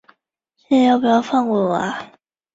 伊塔茹伊皮是巴西巴伊亚州的一个市镇。